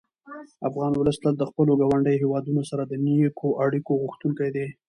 افغان ولس تل د خپلو ګاونډیو هېوادونو سره د نېکو اړیکو غوښتونکی دی.